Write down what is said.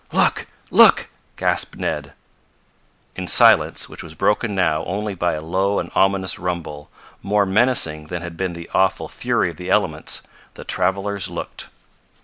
"Look! Look!" gasped Ned. In silence, which was broken now only by a low and ominous rumble, more menacing than had been the awful fury of the elements, the travelers looked.